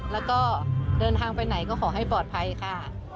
แล้วก็เดินทางไปไหนก็ขอให้ปลอดภัยค่ะ